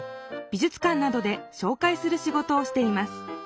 美術館などで紹介する仕事をしています。